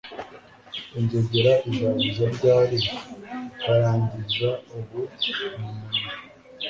Inzogera izavuza ryari ikarangiza ubu umunaniro